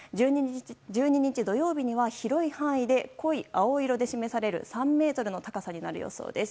１２日、土曜日には広い範囲で濃い青色で示される３ｍの高さになる予想です。